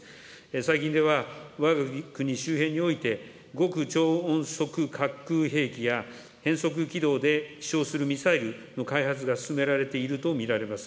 最近では、わが国周辺において、極超音速滑空兵器や、変則軌道で飛しょうするミサイルの開発が進められていると見られています